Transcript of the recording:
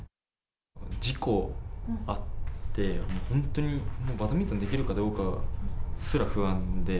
事故があって、本当にもう、バドミントンできるかどうかすら不安で。